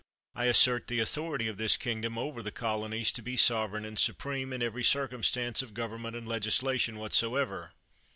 198 CHATHAM I assert the authority of this kingdom over the colonies to be sovereign and supreme, in every circumstance of government and legislation whatsoever.